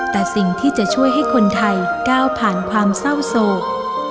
แต่สิ่งที่จะช่วยให้คนไทยก้าวผ่านความเศร้าโศก